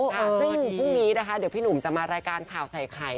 ซึ่งพรุ่งนี้นะคะเดี๋ยวพี่หนุ่มจะมารายการข่าวใส่ไข่